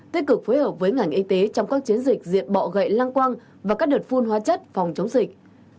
năm tích cực phối hợp với ngành y tế trong các chiến dịch diệt bọ gậy lang quang và các đợt phun hoa chất phòng chống dịch